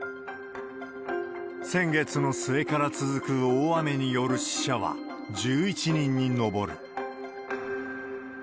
先月の末から続く大雨による死者は１１人に上る。